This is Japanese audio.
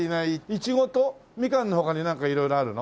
いちごとみかんの他になんか色々あるの？